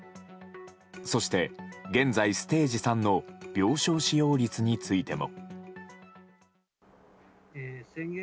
そして、現在ステージ３の病床使用率についても。